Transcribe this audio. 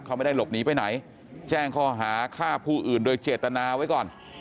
เขาไม่ได้หลบหนีไปไหนแจ้งข้อหาฆ่าผู้อื่นโดยเจตนาไว้ก่อน